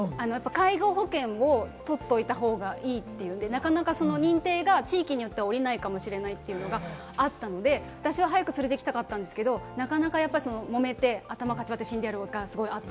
介護保険を取っておいた方がいいというんで、なかなか認定が地域によって下りないかもしれないというのがあったので、私は早く連れて行きたかったんですけれども、なかなかもめて。